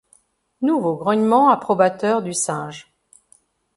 Nouveau grognement approbateur du singe.